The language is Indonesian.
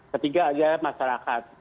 ketiga adalah masyarakat